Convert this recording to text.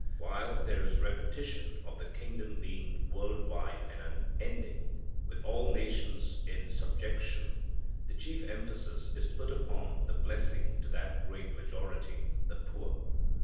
While there is repetition of the kingdom being world wide and unending, with all nations in subjection, the chief emphasis is put upon the blessing to that great majority the poor.